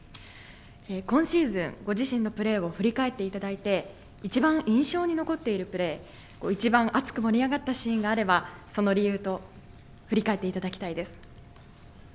今シーズン、ご自身のプレーを振り返っていただいて、いちばん印象に残ったプレー、いちばん熱く盛り上がったシーンがあれば、その理由と振り返っていただきたい